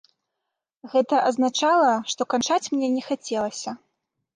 Гэта азначала, што канчаць мне не хацелася.